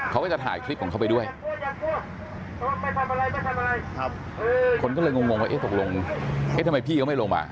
เขาก็จะถ่ายคลิปของเขาไปด้วยคนก็เลยงงว่าเอ๊ะตกลงเอ๊ะทำไมพี่เขาไม่ลงมา